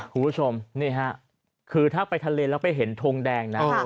คุณผู้ชมนี่ฮะคือถ้าไปทะเลแล้วไปเห็นทงแดงนะ